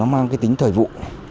mang cái tính thời vụ